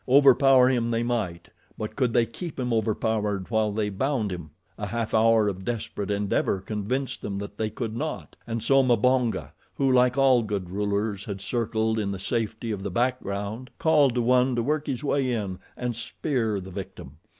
Overpower him they might, but could they keep him overpowered while they bound him? A half hour of desperate endeavor convinced them that they could not, and so Mbonga, who, like all good rulers, had circled in the safety of the background, called to one to work his way in and spear the victim.